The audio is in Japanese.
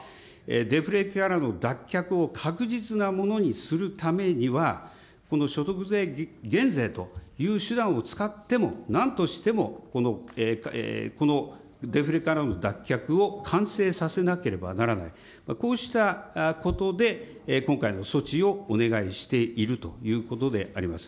デフレからの脱却を確実なものにするためには、この所得税減税という手段を使っても、なんとしてもこのデフレからの脱却を完成させなければならない、こうしたことで、今回の措置をお願いしているということであります。